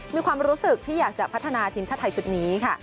มีความรู้สึกที่อยากจะพัฒนาทีมชาติไทยชุดนี้ค่ะ